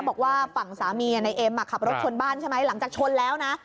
บอกว่าฝั่งสามีในเอ็มขับรถชนบ้านใช่ไหมหลังจากชนแล้วนะ